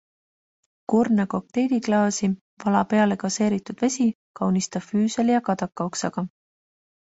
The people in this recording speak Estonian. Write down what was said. Kurna kokteiliklaasi, vala peale gaseeritud vesi, kaunista füüsali ja kadakaoksaga.